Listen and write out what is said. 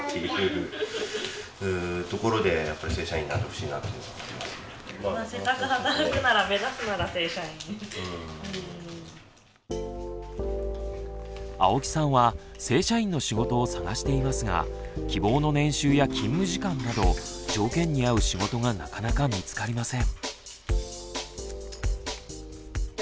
３つ目はコロナの影響で青木さんは正社員の仕事を探していますが希望の年収や勤務時間など条件に合う仕事がなかなか見つかりません。